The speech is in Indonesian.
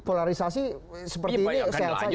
polarisasi seperti ini saya tahu saja